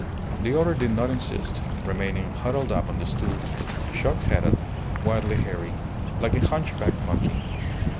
The other did not insist, remaining huddled up on the stool, shock headed, wildly hairy, like a hunchbacked monkey.